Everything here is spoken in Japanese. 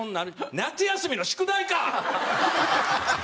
夏休みの宿題か！